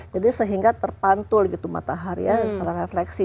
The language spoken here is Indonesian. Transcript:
jadi sehingga terpantul gitu matahari ya secara refleksi